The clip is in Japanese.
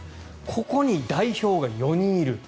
ここに代表が４人いる。